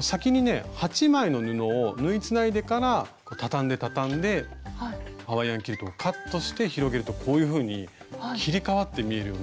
先にね８枚の布を縫いつないでから畳んで畳んでハワイアンキルトをカットして広げるとこういうふうに切り替わって見えるようになってるんですね。